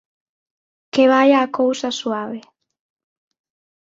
Que vaia a cousa suave.